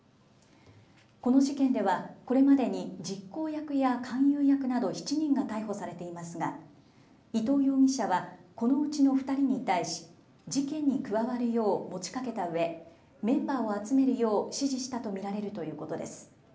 この事件ではこれまでに実行役や勧誘役など７人が逮捕されていますが伊藤容疑者はこのうちの２人に対し、事件に加わるよう持ちかけたうえ、メンバーを集めるよう指示したと見られるということです。